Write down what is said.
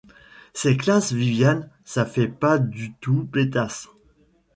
C’est classe Viviane, ça fait pas du tout pétasse.